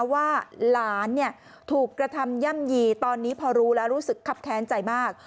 ว่าหลานถูกกระทำย่ำยีตอนนี้พอรู้แล้วรู้สึกคับแค้นใจมาก